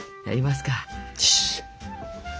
やりますか。